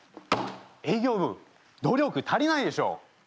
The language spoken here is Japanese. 営業部努力足りないでしょう！